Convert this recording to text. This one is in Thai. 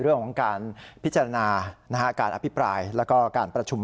เรื่องของการพิจารณาการอภิปรายแล้วก็การประชุม